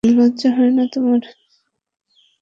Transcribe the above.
লজ্জা হয় না তোমার?